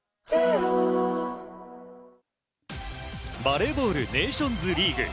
バレーボールネーションズリーグ。